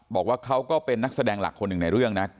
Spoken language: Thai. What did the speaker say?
บอกว่าเขาก็เป็นนักแสดงหลักคนหนึ่งในเรื่องนะ